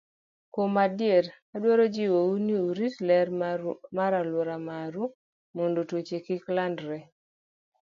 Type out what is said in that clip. Kuom adier, adwaro jiwou ni urit ler mar alwora maru mondo tuoche kik landre.